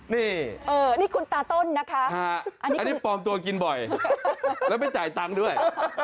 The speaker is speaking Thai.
นี่นี่คุณตาต้นนะคะอันนี้ปลอมตัวกินบ่อยแล้วไม่จ่ายตังค์ด้วย